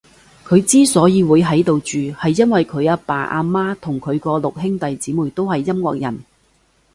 佢之所以會喺度住，係因為佢阿爸阿媽同佢個六兄弟姐妹都係音樂人